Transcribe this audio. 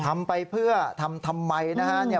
ทำไปเพื่อทำทำไมนะฮะ